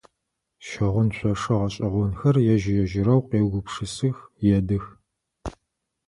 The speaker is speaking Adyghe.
Щыгъын шъошэ гъэшӏэгъонхэр ежь-ежьырэу къеугупшысых, едых.